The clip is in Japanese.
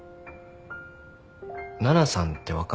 奈々さんって分かる？